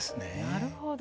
なるほど。